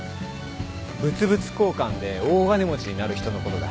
物々交換で大金持ちになる人のことだ。